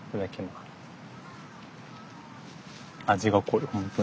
味が濃い本当に。